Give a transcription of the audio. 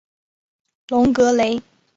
隆格雷。